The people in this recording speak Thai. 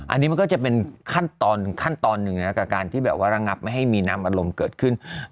อันนี้มันก็จะเป็นขั้นตอนขั้นตอนหนึ่งนะครับกับการที่แบบว่าระงับไม่ให้มีน้ำอารมณ์เกิดขึ้น